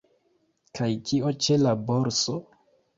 Kaj kio ĉe la borso?